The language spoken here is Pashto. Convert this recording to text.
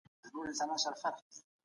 درس چي ښه تشریح سي اسانه وي.